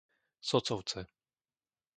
Socovce